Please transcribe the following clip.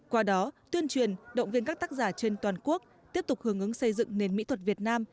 qua đó tuyên truyền động viên các tác giả trên toàn quốc tiếp tục hướng ứng xây dựng nền mỹ thuật việt nam